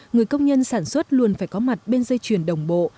người công nhân sản xuất luôn phải có mặt bên dây chuyền đồng bộ